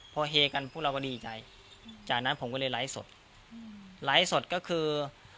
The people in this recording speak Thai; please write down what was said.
พอเฮกันพวกเราก็ดีใจจากนั้นผมก็เลยไลฟ์สดไลฟ์สดก็คือ